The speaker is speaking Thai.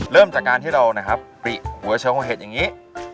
เริ่มจากการที่เรานะครับปริหัวโชว์เห็ดอย่างนี้